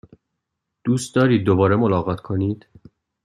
دوست دارید دوباره ملاقات کنید؟